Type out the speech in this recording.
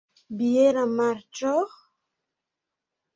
Biera marĉo?